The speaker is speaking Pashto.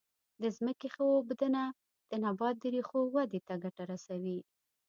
د ځمکې ښه اوبدنه د نبات د ریښو ودې ته ګټه رسوي.